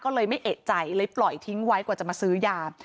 ก็เลยไม่เอกใจเลยปล่อยทิ้งไว้กว่าจะมาซื้อยา